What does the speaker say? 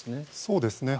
そうですね。